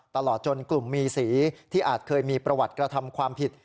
ตลอดจนกลุ่มมีสีที่อาจเคยมีประวัติกระทำความผิด